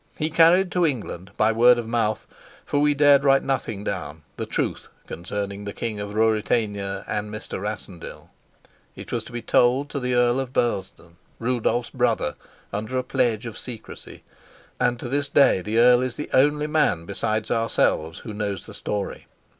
He carried to England by word of mouth for we dared write nothing down the truth concerning the King of Ruritania and Mr. Rassendyll. It was to be told to the Earl of Burlesdon, Rudolf's brother, under a pledge of secrecy; and to this day the earl is the only man besides ourselves who knows the story.